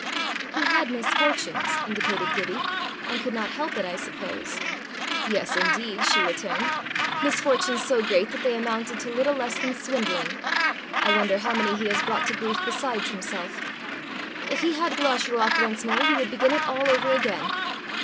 "He had misfortunes," indicated Gibbie, "and could not help it, I suppose." "Yes indeed!" she returned, " misfortunes so great that they amounted to little less than swindling. I wonder how many he has brought to grief besides himself! If he had Glashruach once more he would begin it all over again."